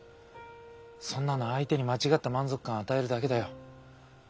そんなの相手に間違った満足感与えるだけだよ。